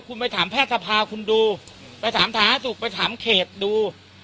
คุณไปถามแพทย์สภาคุณดูไปถามสาธารณสุขไปถามเขตดู